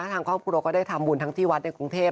ทางครอบครัวก็ได้ทำบุญทั้งที่วัดในกรุงเทพ